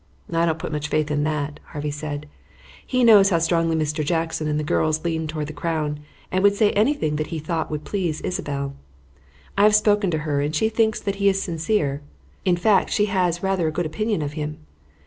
"I don't put much faith in that," Harvey said. "He knows how strongly Mr. Jackson and the girls lean toward the Crown, and would say anything that he thought would please Isabelle. I have spoken to her and she thinks that he is sincere; in fact, she has rather a good opinion of him.